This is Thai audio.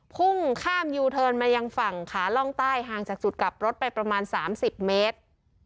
พุ่งข้ามยูเทิร์นมายังฝั่งขาล่องใต้ห่างจากจุดกลับรถไปประมาณ๓๐เมตร